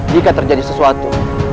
jika terjadi sesuatu